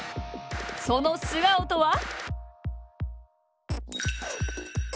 その素顔とは？